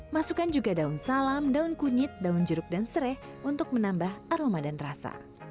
masukkan juga daun salam daun kunyit daun jeruk dan serai untuk menambah aroma dan rasa